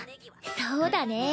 そうだね。